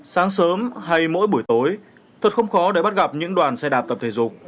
sáng sớm hay mỗi buổi tối thật không khó để bắt gặp những đoàn xe đạp tập thể dục